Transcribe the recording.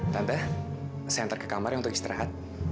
tante saya antar ke kamarnya untuk istirahat